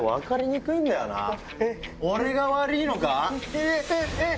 ええっえっ。